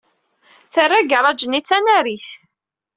Terra agaṛaj-nni d tanarit.